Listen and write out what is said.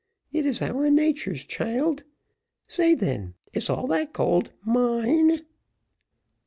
It is our natures, child say, then, is all that gold mine?"